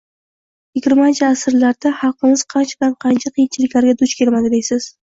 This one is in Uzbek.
Yigirmanchi asrlarda xalqimiz qanchadan-qancha qiyinchiliklarga duch kelmadi, deysiz.